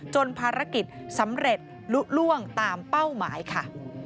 ภารกิจสำเร็จลุล่วงตามเป้าหมายค่ะ